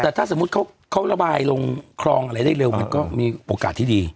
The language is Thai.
แต่ถ้าสมมุติเขาระบายลงคลองอะไรได้เร็วมันก็มีโอกาสที่ดี